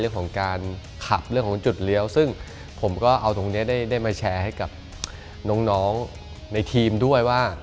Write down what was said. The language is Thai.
เรื่องของการขับเรื่องของจุดเลี้ยวซึ่งผมก็เอาตรงนี้ได้มาแชร์ให้กับน้องในทีมด้วยว่า